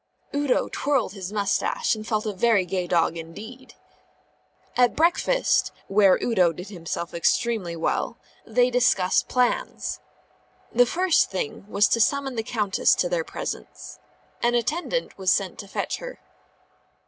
Udo twirled his moustache and felt a very gay dog indeed. At breakfast (where Udo did himself extremely well) they discussed plans. The first thing was to summon the Countess into their presence. An attendant was sent to fetch her.